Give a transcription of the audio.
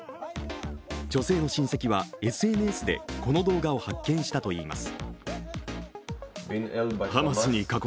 女性の親戚はＳＮＳでこの動画を発見したといいます。